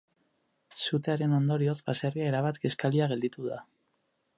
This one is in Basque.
Sutearen ondorioz, baserria erabat kiskalia gelditu da.